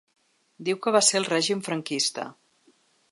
Diu que va ser el règim franquista.